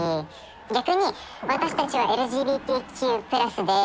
逆に私たちはＬＧＢＴＱ＋です